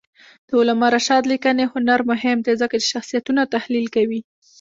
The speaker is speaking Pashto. د علامه رشاد لیکنی هنر مهم دی ځکه چې شخصیتونه تحلیل کوي.